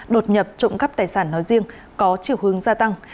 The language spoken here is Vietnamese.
đột nhập trộm cắp tài sản nói riêng có chiều hướng gia tăng